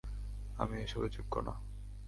আমি এসবের যোগ্য না।